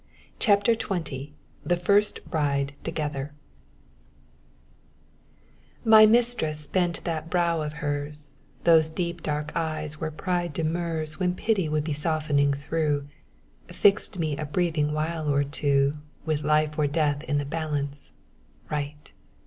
CHAPTER XX THE FIRST RIDE TOGETHER My mistress bent that brow of hers; Those deep dark eyes where pride demurs When pity would be softening through, Fixed me a breathing while or two With life or death in the balance: right!